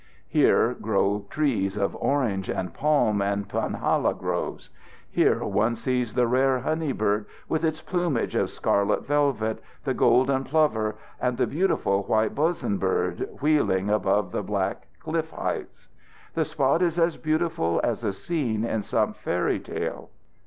Here grow trees of orange and palm and punhala groves. Here one sees the rare honey bird with its plumage of scarlet velvet, the golden plover, and the beautiful white bos'un bird, wheeling about the black cliff heights. The spot is as beautiful as a scene in some fairy tale.